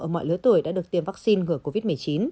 ở mọi lứa tuổi đã được tiêm vaccine ngừa covid một mươi chín